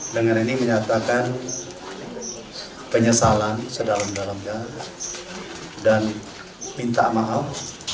dengan ini menyatakan penyesalan sedalam dalamnya dan minta maaf